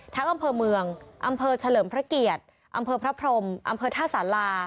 อำเภอเมืองอำเภอเฉลิมพระเกียรติอำเภอพระพรมอำเภอท่าสารา